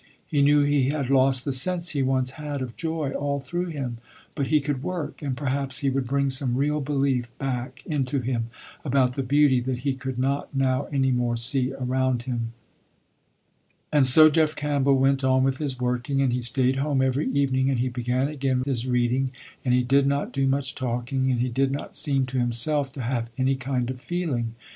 He knew he had lost the sense he once had of joy all through him, but he could work, and perhaps he would bring some real belief back into him about the beauty that he could not now any more see around him. And so Jeff Campbell went on with his working, and he staid home every evening, and he began again with his reading, and he did not do much talking, and he did not seem to himself to have any kind of feeling.